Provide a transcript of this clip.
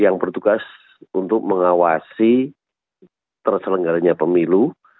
yang bertugas untuk mengawasi terselenggaranya pemilu